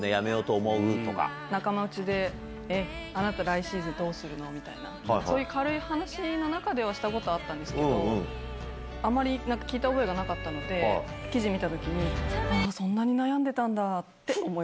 私、仲間内で、あなた、来シーズン、どうするの？みたいな、そういう軽い話の中では、したことあったんですけど、あまり聞いた覚えがなかったので、記事見たときに、あー、そんなにそんな感じ？